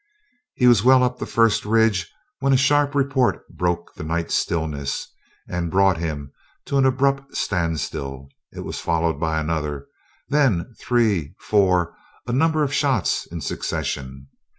He was well up the first ridge when a sharp report broke the night stillness and brought him to an abrupt standstill. It was followed by another, then three, four a number of shots in succession.